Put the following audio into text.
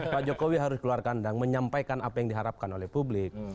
pak jokowi harus keluar kandang menyampaikan apa yang diharapkan oleh publik